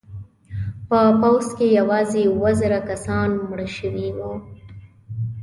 په پوځ کې یوازې اوه زره کسان مړه شوي وو.